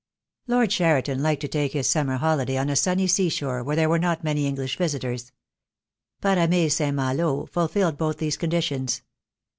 Lord Cheriton liked to take his summer holiday on a sunny sea shore where there were not many English visitors. Parame St. Malo fulfilled both these conditions.